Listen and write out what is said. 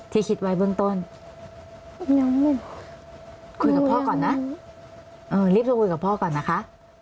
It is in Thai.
คิดไว้เบื้องต้นคุยกับพ่อก่อนนะเออรีบโทรคุยกับพ่อก่อนนะคะ